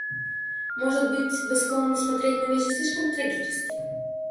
Может быть, вы склонны смотреть на вещи слишком трагически.